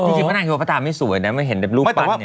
ดูขี้พนักฮิโรปะตาไม่สวยนะไม่เห็นในรูปปั๊ด